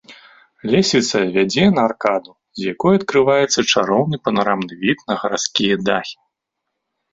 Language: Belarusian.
Лесвіца вядзе на аркаду, з якой адкрываецца чароўны панарамны від на гарадскія дахі.